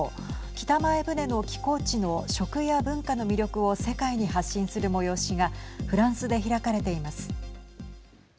北前船の寄港地の食や文化の魅力を世界に発信する催しがフランスで開かれています。